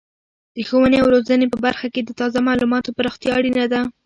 د ښوونې او روزنې په برخه کې د تازه معلوماتو پراختیا اړینه ده.